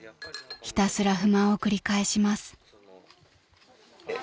［ひたすら不満を繰り返します］